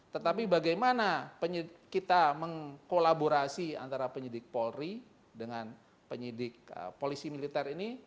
tetapi bagaimana kita mengkolaborasi antara penyidik polri dengan penyidik polisi militer ini